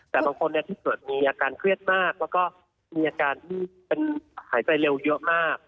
แต่บางคนที่เกิดมีอาการเครียดมากแล้วก็มีอาการที่เป็นหายใจเร็วเยอะมาก